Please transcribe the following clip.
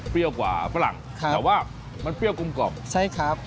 เตี้ยวกว่าฝรั่งแต่ว่ามันเตี้ยวกลมกรอบใช่ครับ